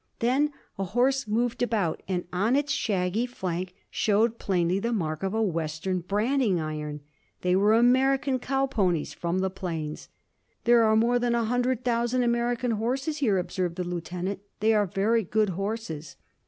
Then a horse moved about, and on its shaggy flank showed plainly the mark of a Western branding iron! They were American cow ponies from the plains. "There are more than a hundred thousand American horses here," observed the Lieutenant. "They are very good horses."